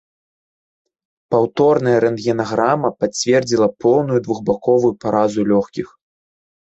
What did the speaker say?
Паўторная рэнтгенаграма пацвердзіла поўную двухбаковую паразу лёгкіх.